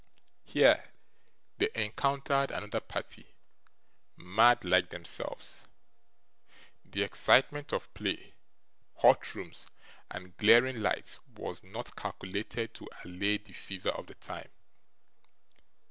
Here, they encountered another party, mad like themselves. The excitement of play, hot rooms, and glaring lights was not calculated to allay the fever of the time.